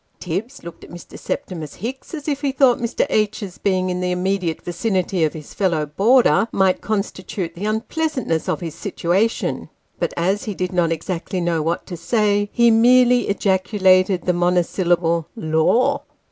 Tibbs looked at Mr. Septimus Hicks, as if he thought Mr. H.'s being in the immediate vicinity of his fellow boarder might constitute the unpleasantness of his situation ; but as he did not exactly know what to say, he merely ejaculated the monosyllable " Lor